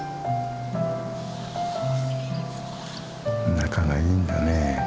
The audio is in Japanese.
仲がいいんだね。